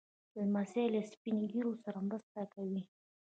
لمسی له سپين ږیرو سره مرسته کوي.